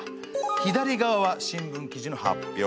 左側は新聞記事の発表。